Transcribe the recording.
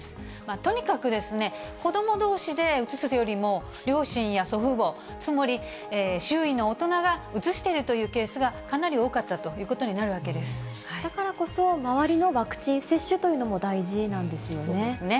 とにかくですね、子どもどうしでうつすよりも、両親や祖父母、つまり、周囲の大人がうつしているというケースがかなり多かったというこだからこそ、周りのワクチンそうですね。